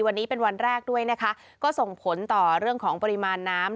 วันนี้เป็นวันแรกด้วยนะคะก็ส่งผลต่อเรื่องของปริมาณน้ำ